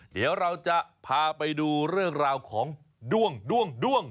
เดี๋ยวเราจะพาไปดูเรื่องราวของด้วงด้วง